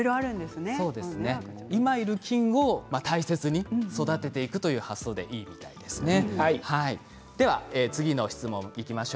今いる菌を大切に育てていくという発想でいいみたいですね。